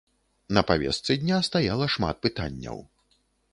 На павестцы дня стаяла шмат пытанняў.